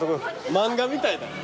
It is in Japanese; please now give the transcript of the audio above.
漫画みたいだな。